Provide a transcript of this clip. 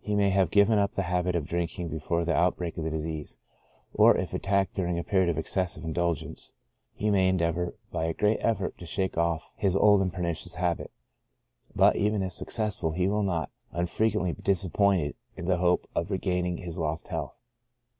He may have given up the habit of drinking before the out break of the disease ; or if attacked during a period of excessive indulgence, he may endeavor by a great effort to shake off his old and pernicious habit; but, even if success ful, he will not unfrequently be disappointed in the hope of regaining his lost health.